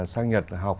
sang nhật học